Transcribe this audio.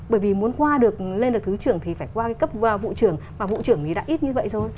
bởi vì muốn qua được lên được thứ trưởng thì phải qua cái cấp vụ trưởng mà vụ trưởng thì đã ít như vậy rồi